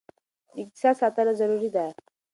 د اقتصاد ساتنه ضروري ده.